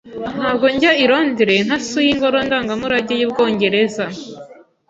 Ntabwo njya i Londres ntasuye Ingoro Ndangamurage y'Ubwongereza.